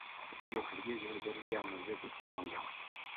Itegeko ryIjuru ryari ryamaze gutangwa